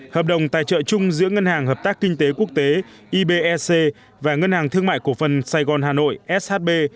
hợp đồng tài trợ chung giữa ngân hàng hợp tác kinh tế quốc tế ibec và ngân hàng thương mại cổ phần sài gòn hà nội shb